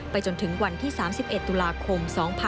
จนถึงวันที่๓๑ตุลาคม๒๕๖๒